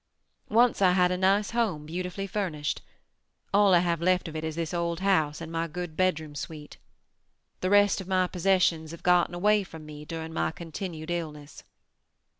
Once I had a nice home, beautifully furnished. All I have left of it is this old house and my good bedroom suite. The rest of my possessions have gotten away from me during my continued illness.